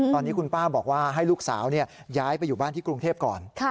ตอนนี้คุณป้าบอกว่าให้ลูกสาวย้ายไปอยู่บ้านที่กรุงเทพก่อน